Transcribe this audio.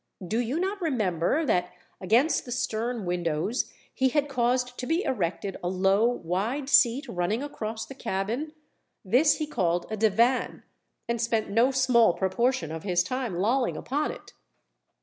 Do you not remember that, against the stern windows, he had caused to be erected a low wide seat running across the cabin? This he called a divan, and spent no small proportion of his time lolling upon it.